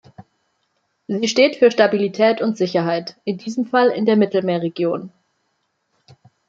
Sie steht für Stabilität und Sicherheit, in diesem Fall in der Mittelmeerregion.